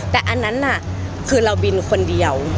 แต่อันนั้นน่ะคือเราบินคนเดียว